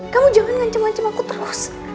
kamu jangan ngancam ngancam aku terus